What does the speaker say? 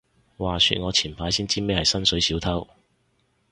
話說我前排先知咩係薪水小偷